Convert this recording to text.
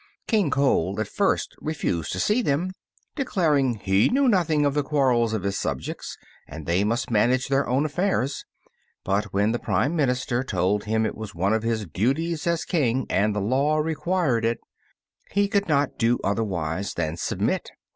King Cole at first refused to see them, declaring he knew nothing of the quarrels of his subjects and they must manage their own affairs; but when the prime minister told him it was one of his duties as king, and the law required it, he could not do otherwise than submit.